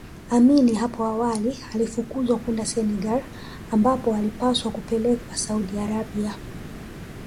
Amin hapo awali alifukuzwa kwenda Senegal ambapo alipaswa kupelekwa Saudi Arabia